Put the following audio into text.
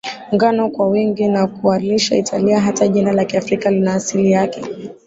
ngano kwa wingi na kuilisha Italia Hata jina la Afrika lina asili yake